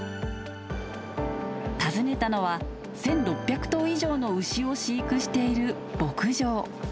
訪ねたのは１，６００頭以上の牛を飼育している牧場。